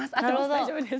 大丈夫です。